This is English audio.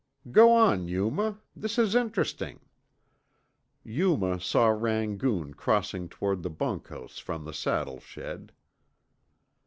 "Go on, Yuma. This is interesting." Yuma saw Rangoon crossing toward the bunkhouse from the saddle shed.